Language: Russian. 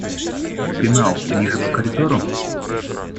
Пенал ниже по коридору?